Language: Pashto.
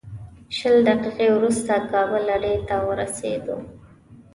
شل دقیقې وروسته کابل اډې ته ورسېدو.